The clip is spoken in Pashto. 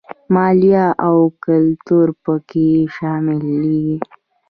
مالیه او ګټې په کې شاملېږي